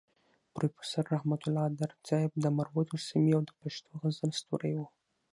پروفيسور رحمت الله درد صيب د مروتو سيمې او د پښتو غزل ستوری وو.